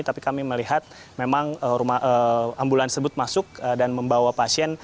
tapi kami melihat memang ambulans tersebut masuk dan membawa pasien